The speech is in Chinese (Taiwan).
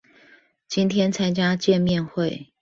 今天參加見面會